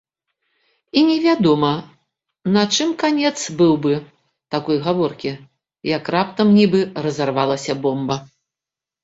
І невядома, на чым канец быў бы такой гаворкі, як раптам нібы разарвалася бомба.